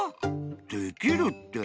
できるって！